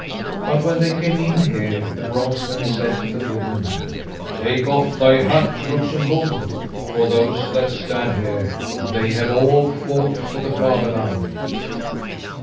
But when they came in here, the bronze man said to the wooden man: "Take off thy hat, Rosenbom, for those that stand here! They have all fought for the fatherland."